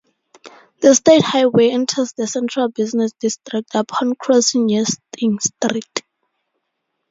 The state highway enters the central business district upon crossing Yeasting Street.